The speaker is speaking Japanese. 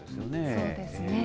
そうですね。